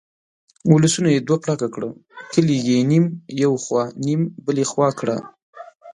ولسونه یې دوه پړکه کړه، کلي یې نیم یو خوا نیم بلې خوا کړه.